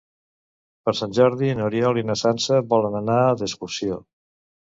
Per Sant Jordi n'Oriol i na Sança volen anar d'excursió.